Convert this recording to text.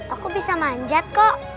aku bisa manjat kok